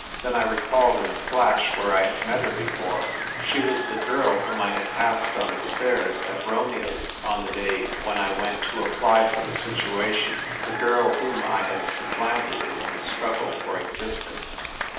Then I recalled in a flash where I had met her before ; she was the girl whom I had passed on the stairs at Romeo's on the day when I went to apply for the situation ; the girl whom I had sup planted in the struggle for existence.